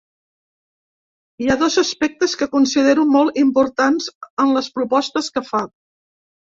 Hi ha dos aspectes que considero molt importants en les propostes que fa.